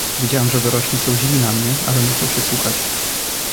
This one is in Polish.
"Wiedziałem, że dorośli są źli na mnie, ale muszą się słuchać."